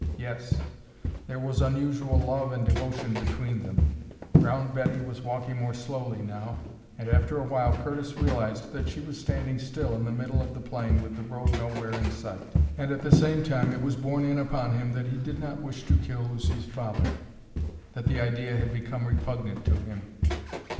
Yes; there was unusual love and devotion between them. Brown Betty was walking more slowly now; and after a while Curtis realized that she was standing still in the middle of the plain with the road nowhere in sight. And at the same time it was borne in upon him that he did not wish to kill Lucy's father, that the idea had become repugnant to him.